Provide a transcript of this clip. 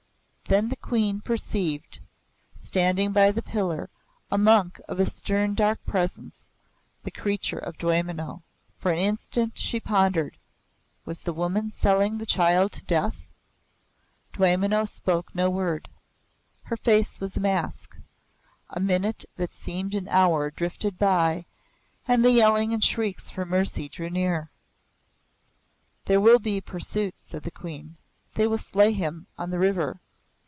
Then the Queen perceived, standing by the pillar, a monk of a stern, dark presence, the creature of Dwaymenau. For an instant she pondered. Was the woman selling the child to death? Dwaymenau spoke no word. Her face was a mask. A minute that seemed an hour drifted by, and the yelling and shrieks for mercy drew nearer. "There will be pursuit," said the Queen. "They will slay him on the river.